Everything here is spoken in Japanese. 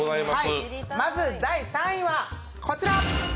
まず第３位はこちら。